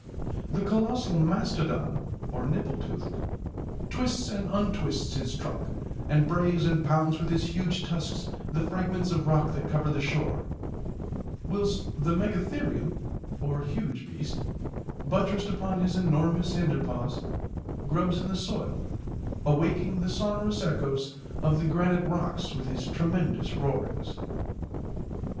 The colossal mastodon (nipple toothed) twists and untwists his trunk, and brays and pounds with his huge tusks the fragments of rock that cover the shore; whilst the megatherium (huge beast), buttressed upon his enormous hinder paws, grubs in the soil, awaking the sonorous echoes of the granite rocks with his tremendous roarings.